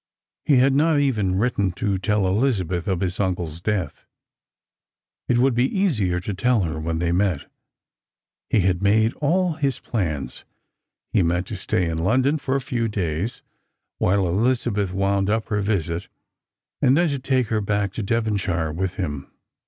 He had not even written to tell Elizabeth of his uncle's death. It would be easier to tell her when they met. He had made all his plans. He meant to stay in London for a few days, while Elizabeth wound up her visit, and then to take her back to Devonshire with him.